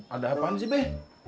ada apaan sih be